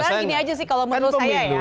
kan gini aja sih kalau menurut saya ya